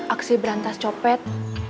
aksi berantas copet